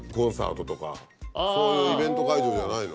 そういうイベント会場じゃないの。